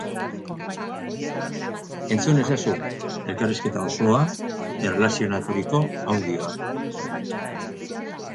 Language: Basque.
Entzun ezazu elkarrizketa osoa erlazionaturiko audioan.